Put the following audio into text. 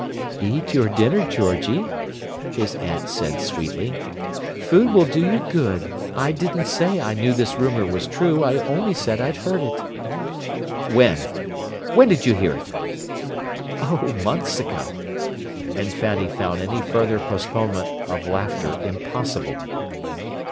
"Eat your dinner, Georgie," his aunt said sweetly. "Food will do you good. I didn't say I knew this rumour was true. I only said I'd heard it." "When? When did you hear it!" "Oh, months ago!" And Fanny found any further postponement of laughter impossible.